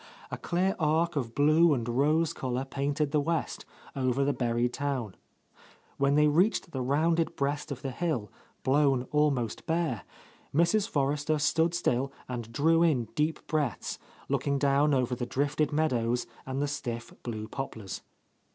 A clear arc of blue and rose colour painted the west, over the buried town. When they reached the rounded breast of the hill, blown almost bare, Mrs. Forrester stood still and drew in deep breaths, looking down over the drifted meadows and the stiff, blue poplars.